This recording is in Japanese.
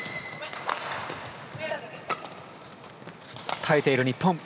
耐えている日本。